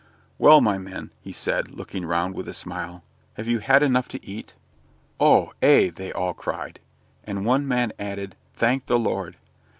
"Well, my men," he said, looking round with a smile, "have you had enough to eat?" "Oh, ay!" they all cried. And one man added "Thank the Lord!"